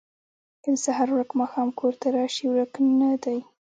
ـ که د سهار ورک ماښام کور ته راشي ورک نه دی.